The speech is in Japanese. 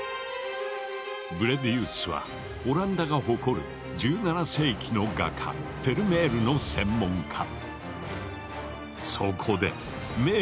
ブレディウスはオランダが誇る１７世紀の画家フェルメールの専門家。